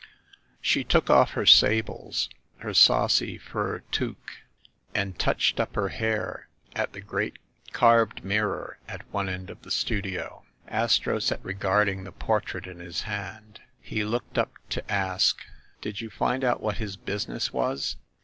She took off her sables, her saucy fur toque, and touched up her hair at the great carved mirror at one end of the studio. Astro sat regarding the portrait in his hand. He looked up to ask, "Did you find out what his business was?"